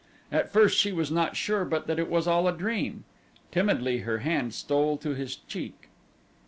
At first she was not sure but that it was all a dream. Timidly her hand stole to his cheek.